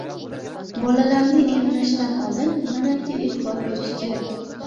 Bolalarni emlashdan oldin nimalarga e’tibor berish kerak?